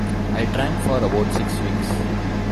I drank for about six weeks.